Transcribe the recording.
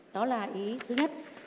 đó là ý thứ nhất